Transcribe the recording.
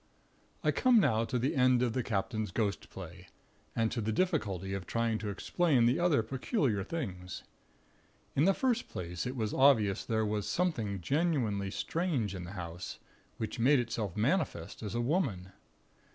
"I come now to the end of the captain's ghost play; and to the difficulty of trying to explain the other peculiar things. In the first place, it was obvious there was something genuinely strange in the house; which made itself manifest as a Woman.